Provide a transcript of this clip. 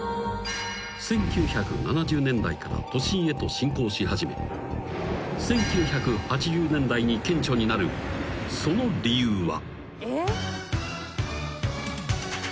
［１９７０年代から都心へと侵攻し始め１９８０年代に顕著になるその理由は］